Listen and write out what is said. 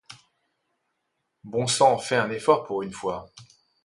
Bon sang, fais un effort pour une fois !